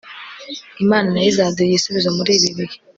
imana nayo izaduha igisubizo muri ibi bihe.